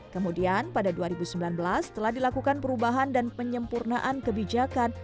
kemudian pada dua ribu sembilan belas telah dilakukan perubahan dan penyempurnaan kebijakan